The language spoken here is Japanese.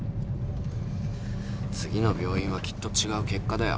次の病院はきっと違う結果だよ。